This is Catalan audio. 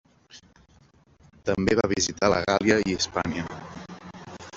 També va visitar la Gàl·lia i Hispània.